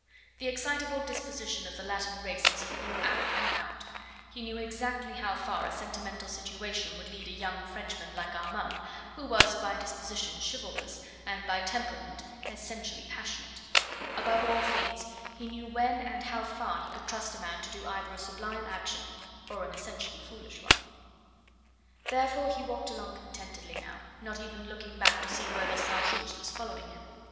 The excitable disposition of the Latin races he knew out and out; he knew exactly how far a sentimental situation would lead a young Frenchman like Armand, who was by disposition chivalrous, and by temperament essentially passionate. Above all things, he knew when and how far he could trust a man to do either a sublime action or an essentially foolish one. Therefore he walked along contentedly now, not even looking back to see whether St. Just was following him.